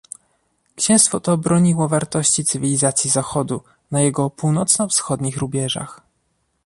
Księstwo to broniło wartości cywilizacji Zachodu na jego północno-wschodnich rubieżach